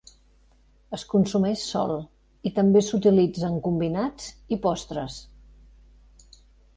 Es consumeix sol i també s'utilitza en combinats i postres.